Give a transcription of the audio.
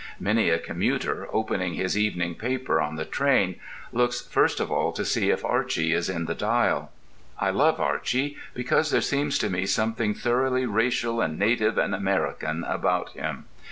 Many a commuter, opening his evening paper on the train, looks first of all to see if Archy is in the Dial. I love Archy because there seems to me something thoroughly racial and native and American about him.